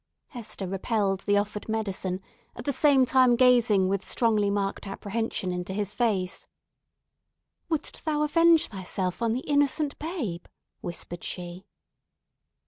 Hester repelled the offered medicine, at the same time gazing with strongly marked apprehension into his face. "Wouldst thou avenge thyself on the innocent babe?" whispered she.